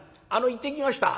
「行ってきました」。